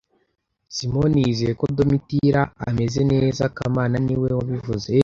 Simoni yizeye ko Domitira ameze neza kamana niwe wabivuze